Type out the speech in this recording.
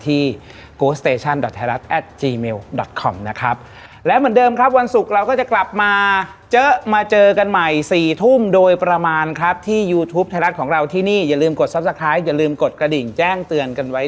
อีกวันหนึ่งตุ๊กแก่